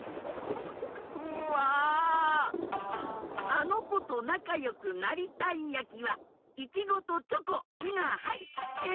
あのことなかよくなりたいやきはイチゴとチョコ・ンがはいってる！